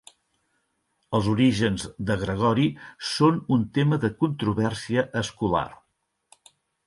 Els orígens de Gregori són un tema de controvèrsia escolar.